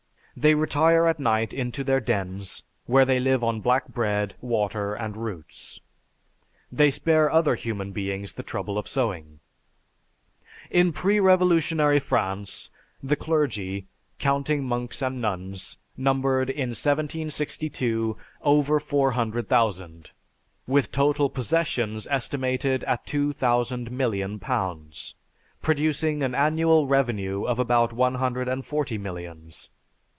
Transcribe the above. They retire at night into their dens, where they live on black bread, water and roots. They spare other human beings the trouble of sowing." In pre revolutionary France, the clergy, counting monks and nuns, numbered, in 1762, over 400,000, with total possessions estimated at two thousand million pounds, producing an annual revenue of about one hundred and forty millions.